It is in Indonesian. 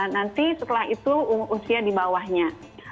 nanti setelah itu usia di bawahnya